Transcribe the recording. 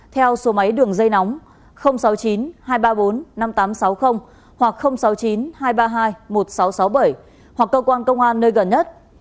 theo số máy đường dây nóng sáu mươi chín hai trăm ba mươi bốn năm nghìn tám trăm sáu mươi hoặc sáu mươi chín hai trăm ba mươi hai một nghìn sáu trăm sáu mươi bảy hoặc cơ quan công an nơi gần nhất